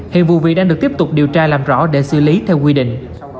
hiện vụ việc đang được tiếp tục điều tra làm rõ để xử lý theo quy định